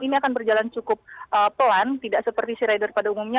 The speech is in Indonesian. ini akan berjalan cukup pelan tidak seperti sea rider pada umumnya